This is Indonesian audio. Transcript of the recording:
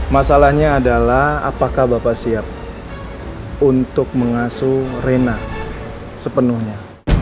masalahnya adalah apakah bapak siap untuk mengasuh rena sepenuhnya